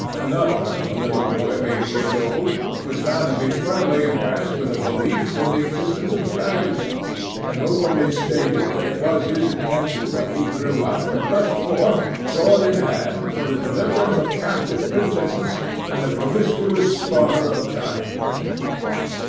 Another, a little boy of eight years old, was found to be firmly impressed with a belief in the existence of dragons, and openly stated that it was his intention when he grew up, to rush forth sword in hand for the deliverance of captive princesses, and the promiscuous slaughter of giants.